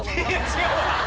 違うわ！